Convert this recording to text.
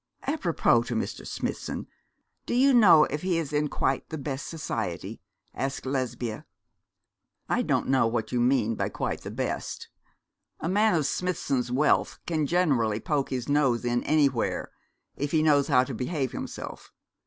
'Apropos to Mr. Smithson, do you know if he is in quite the best society?' asked Lesbia. 'I don't know what you mean by quite the best. A man of Smithson's wealth can generally poke his nose in anywhere, if he knows how to behave himself.